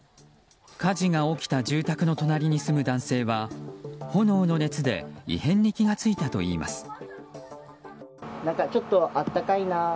火事が起きた住宅の隣に住む男性は炎の熱で異変に気が付いたといいます。